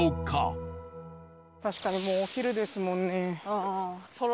確かにもうお昼ですもんね。